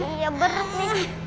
iya berat nih